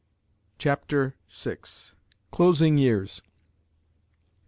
CHAPTER VI. CLOSING YEARS.